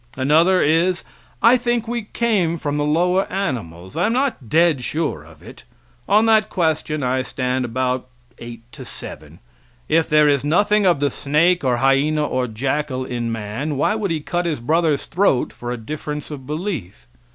Another is, I think we came from the lower animals, I am not dead sure of it. On that question I stand about eight to seven. If there is nothing of the snake, or hyena, or jackal in man, why would he cut his brother's throat for a difference of belief?